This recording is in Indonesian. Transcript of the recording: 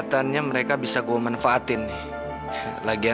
tapi kalau lo mau tinggal di